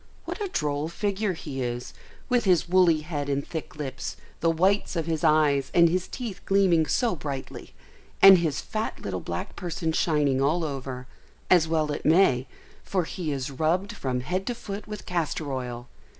What a droll figure he is, with his woolly head and thick lips, the whites of his eyes and his teeth gleaming so brightly, and his fat little black person shining all over, as well it may, for he is rubbed from head to foot with castor oil.